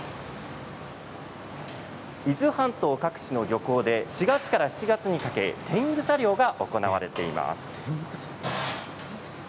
伊豆半島各地の漁港で４月から７月にかけててんぐさ漁が行われています。